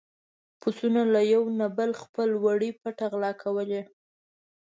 پسونو له يو بل نه خپل وړي په پټه غلا کولې.